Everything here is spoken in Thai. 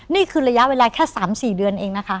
นี่คือระยะเวลาแค่๓๔เดือนเองนะคะ